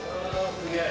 すげえ。